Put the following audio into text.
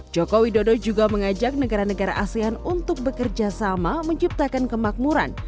joko widodo juga mengajak negara negara asean untuk bekerja sama menciptakan kemakmuran